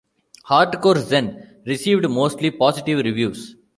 "Hardcore Zen" received mostly positive reviews.